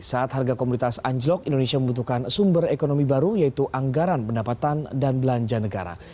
saat harga komoditas anjlok indonesia membutuhkan sumber ekonomi baru yaitu anggaran pendapatan dan belanja negara